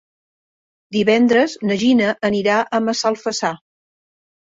Divendres na Gina anirà a Massalfassar.